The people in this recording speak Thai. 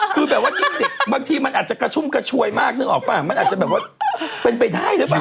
คือแบบว่าบางทีมันอาจจะกระชุ่มกระชวยมากนึกออกป่ะมันอาจจะแบบว่าเป็นไปได้หรือเปล่า